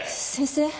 先生？